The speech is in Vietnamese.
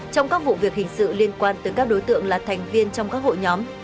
trong các vụ việc hình sự liên quan tới các đối tượng là thành viên trong các hội nhóm